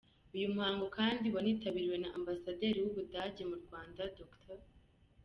Uyu muhango kandi wanitabiriwe na Ambasaderi w’u Budage mu Rwanda, Dr.